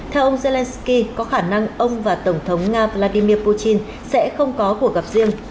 theo ông zelensky có khả năng ông và tổng thống nga vladimir putin sẽ không có cuộc gặp riêng